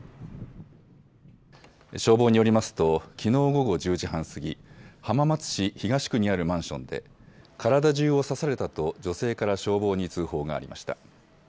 消防によりますときのう午後１０時半過ぎ浜松市東区にあるマンションで体じゅうを刺されたと女性から消防に通報がありました。